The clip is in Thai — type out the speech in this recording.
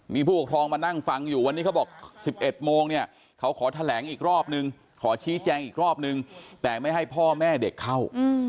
มีผู้ปกครองมานั่งฟังอยู่วันนี้เขาบอก๑๑โมงเนี่ยเขาขอแถลงอีกรอบนึงขอชี้แจงอีกรอบนึงแต่ไม่ให้พ่อแม่เด็กเข้า